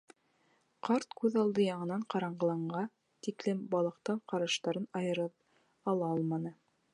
Ҡарт күҙ алды яңынан ҡараңғыланғанға тиклем балыҡтан ҡараштарын айырып ала алманы.